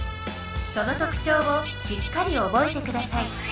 その特ちょうをしっかり覚えてください。